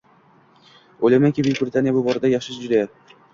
Oʻylaymanki, Buyuk Britaniya bu borada juda yaxshi